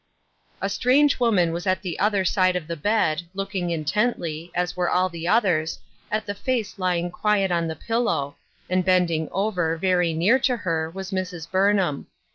A strange woman was at the other side of the bed, looking intently, as were all the others, at the face lying quiet on the pillow, and bending over, very near to her, was Mrs. Burnham.